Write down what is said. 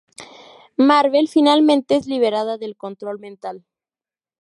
Marvel, finalmente es liberada del control mental.